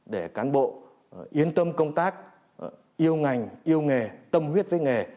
để cán bộ yên tâm công tác yêu ngành yêu nghề tâm huyết với nghề